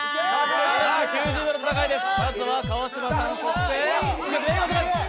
９０秒の戦いです。